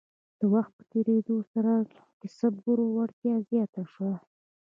د وخت په تیریدو سره د کسبګرو وړتیا زیاته شوه.